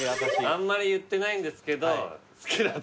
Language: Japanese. あんまり言ってないんですけど。